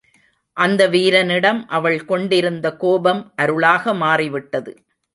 அந்த வீரனிடம் அவள் கொண்டிருந்த கோபம் அருளாக மாறிவிட்டது.